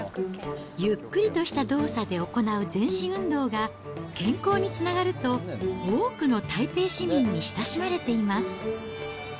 ゆっくりとした動作で行う全身運動が、健康につながると、多くの台北市民に親しまれています。